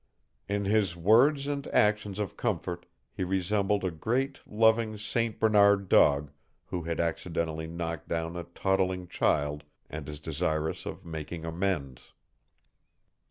In his words and actions of comfort he resembled a great, loving St. Bernard dog who had accidentally knocked down a toddling child and is desirous of making amends.